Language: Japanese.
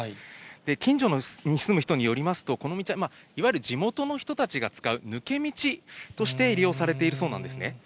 近所に住む人によりますと、この道は、いわゆる地元の人たちが使う抜け道として利用されているそうなんですね。